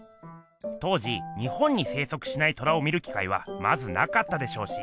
当時日本に生息しない虎を見る機会はまずなかったでしょうし。